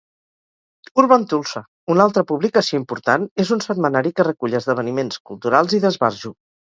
"Urban Tulsa", una altra publicació important, és un setmanari que recull esdeveniments culturals i d'esbarjo.